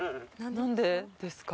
何でですか？